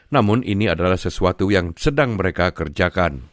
namun ini adalah sesuatu yang sedang mereka kerjakan